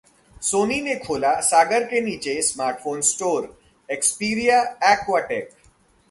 सोनी ने खोला सागर के नीचे स्मार्टफोन स्टोर, एक्सपीरिया अक्वॉटेक